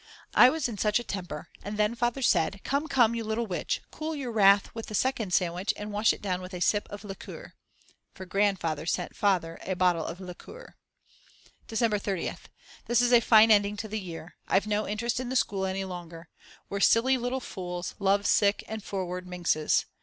I was in such a temper, and then Father said: Come, come, you little witch, cool your wrath with the second sandwich and wash it down with a sip of liqueur. For Grandfather sent Father a bottle of liqueur. December 30th. This is a fine ending to the year. I've no interest in the school any longer. We're silly little fools, love sick and forward minxes.